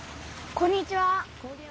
こんにちは。